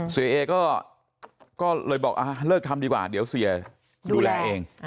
เอก็เลยบอกเลิกทำดีกว่าเดี๋ยวเสียดูแลเอง